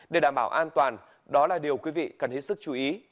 để đảm bảo an toàn đó là điều quý vị cần hết sức chú ý